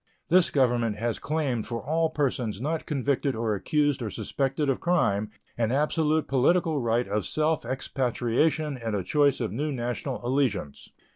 This Government has claimed for all persons not convicted or accused or suspected of crime an absolute political right of self expatriation and a choice of new national allegiance.